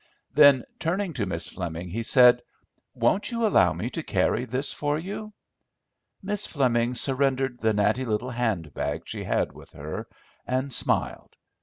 Then, turning to Miss Fleming, he said, "Won't you allow me to carry this for you?" Miss Fleming surrendered the natty little handbag she had with her, and smiled.